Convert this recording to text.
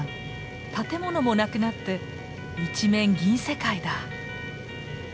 建物もなくなって一面銀世界だ！